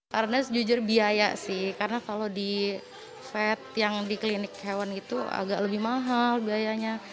karena sejujur biaya sih karena kalau di vet yang di klinik hewan itu agak lebih mahal biayanya